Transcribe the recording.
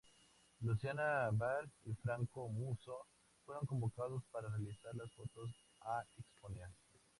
Luciana Val y Franco Musso fueron convocados para realizar las fotos a exponer.